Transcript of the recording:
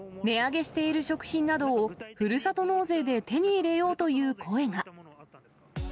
値上げしている食品などを、ふるさと納税で手に入れようという声が。